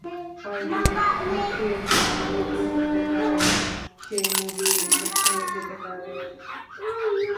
কয়েকজন আত্মীয়ের সাথে দেখা করতে যাওয়ায় সে মুভি দেখতে যেতে পারেনি।